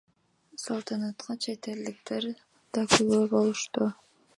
Салтанатка чет элдиктер да күбө болушту.